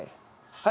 はい。